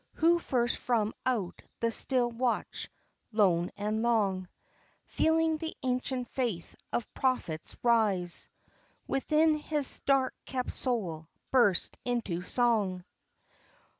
Who first from out the still watch, lone and long, Feeling the ancient faith of prophets rise Within his dark kept soul, burst into song?